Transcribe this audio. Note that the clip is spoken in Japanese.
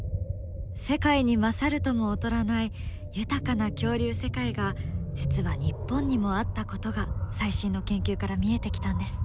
世界に勝るとも劣らない豊かな恐竜世界が実は日本にもあったことが最新の研究から見えてきたんです。